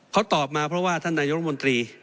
เขาตอบมาเพราะว่าท่านนายกรมนตรี